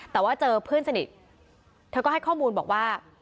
แต่ว่าเจอเพื่อนสนิทเธอก็ให้ข้อมูลบอกว่า